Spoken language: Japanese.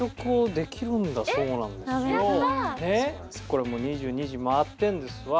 これもう２２時回ってるんですわ